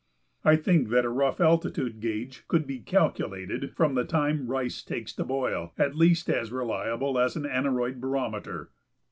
I think that a rough altitude gauge could be calculated from the time rice takes to boil at least as reliable as an aneroid barometer.